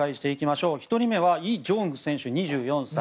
１人目はイ・ジョンフ選手、２４歳。